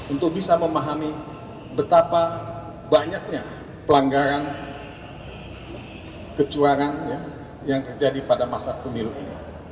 untuk bisa memahami betapa banyaknya pelanggaran kecurangan yang terjadi pada masa pemilu ini